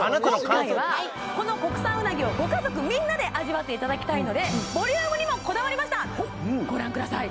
今回はこの国産うなぎをご家族みんなで味わっていただきたいのでボリュームにもこだわりましたご覧ください